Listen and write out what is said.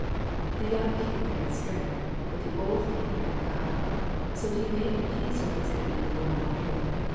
The young King had strength, but the old King had guile, so he made a peace with his enemy for one year.